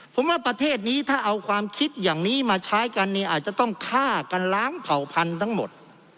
ผมว่าประเทศนี้ถ้าเอาความคิดอย่างนี้มาใช้กันเนี่ยอาจจะต้องฆ่ากันล้างเผ่าพันธุ์ทั้งหมด